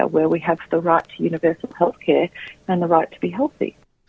di mana kita memiliki hak untuk kesehatan kesehatan universal dan hak untuk menjadi sehat